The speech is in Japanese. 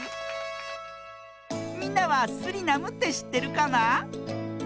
みんなはスリナムってしってるかな？